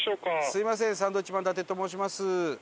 すみませんサンドウィッチマン伊達と申します。